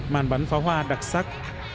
màn bắn phá hoa đặc sắc